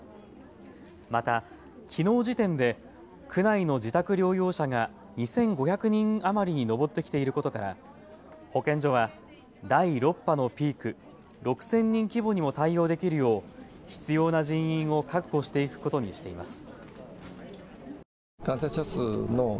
また、きのうの時点で区内の自宅療養者が２５００人余りに上ってきていることから保健所は第６波のピーク、６０００人規模にも対応できるよう必要な人員を確保していくことにしています。